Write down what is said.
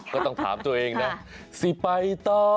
ก็ต้องถามตัวเองนะสิไปต่อ